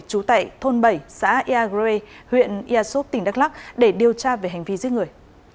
trú tại thôn bảy xã yagre huyện yasop tỉnh đắk lắc để điều tra về hành vi giết người